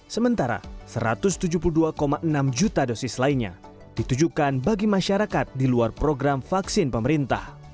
sementara satu ratus tujuh puluh dua enam juta dosis lainnya ditujukan bagi masyarakat di luar program vaksin pemerintah